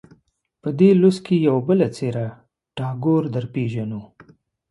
په دې لوست کې یوه بله څېره ټاګور درپېژنو.